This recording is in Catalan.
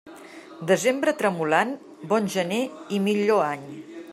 Desembre tremolant, bon gener i millor any.